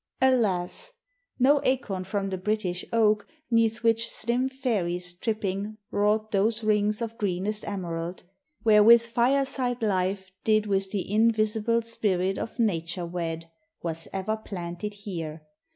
Alas! no acorn from the British oak 'Neath which slim fairies tripping wrought those rings Of greenest emerald, wherewith fireside life Did with the invisible spirit of Nature wed, Was ever planted here